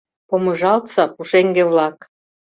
Помыжалтса, пушеҥге-влак!